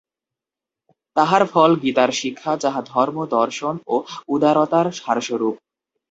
তাহার ফল গীতার শিক্ষা, যাহা ধর্ম দর্শন ও উদারতার সারস্বরূপ।